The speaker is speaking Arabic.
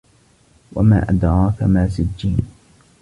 وَما أَدراكَ ما سِجّينٌ